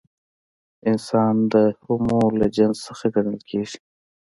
انسان د هومو له جنس څخه ګڼل کېږي.